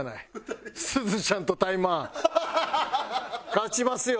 勝ちますよ